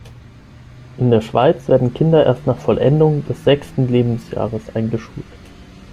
In der Schweiz werden Kinder erst nach Vollendung des sechsten Lebensjahres eingeschult.